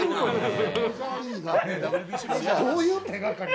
どういう手掛かり？